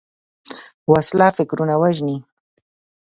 وسله فکرونه وژني